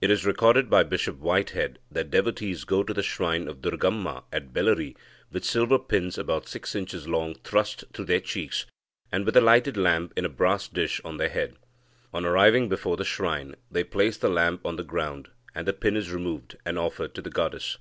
It is recorded by Bishop Whitehead that "devotees go to the shrine of Durgamma at Bellary with silver pins about six inches long thrust through their cheeks, and with a lighted lamp in a brass dish on their head. On arriving before the shrine, they place the lamp on the ground, and the pin is removed, and offered to the goddess."